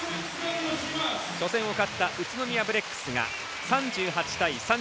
初戦を勝った宇都宮ブレックスが３８対３０。